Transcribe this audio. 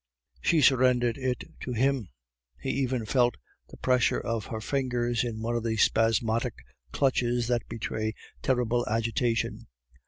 She surrendered it to him; he even felt the pressure of her fingers in one of the spasmodic clutches that betray terrible agitation.